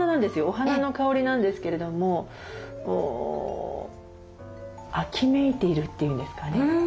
お花の香りなんですけれども秋めいているというんですかね。